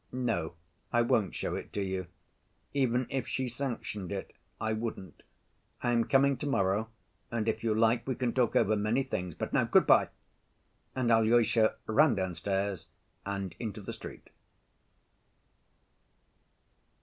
"No, I won't show it to you. Even if she sanctioned it, I wouldn't. I am coming to‐morrow, and if you like, we can talk over many things, but now good‐by!" And Alyosha ran downstairs and into the street.